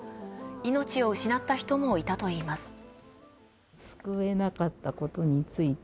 命を失った人もいたといいます。